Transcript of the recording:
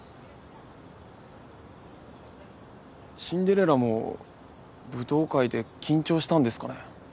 シンデレラも舞踏会で緊張したんですかね？